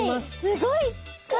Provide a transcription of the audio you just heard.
すごい数！